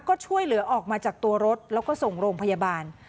ก็ช่วยเหลือออกมาจากตัวรถแล้วก็ส่งโรงพยาบาล